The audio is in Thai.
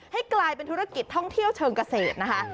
ให้กลายเป็นธุรกิจท่องเที่ยวเชิงเกษตรนะคะ